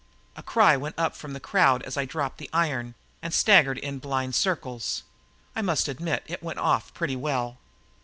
A cry went up from the crowd as I dropped the iron and staggered in blind circles. I must admit it went off pretty well.